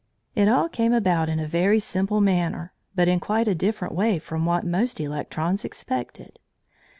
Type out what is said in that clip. It all came about in a very simple manner, but in quite a different way from what most electrons expected.